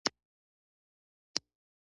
پرلپسې کار کول د همت لرونکو اشخاصو خصوصيت دی.